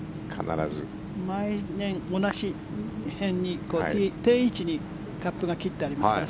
毎年、同じ辺に定位置にカップが切ってありますから。